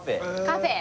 カフェ。